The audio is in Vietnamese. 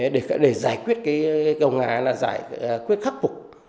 để giải quyết cầu nga là giải quyết khắc phục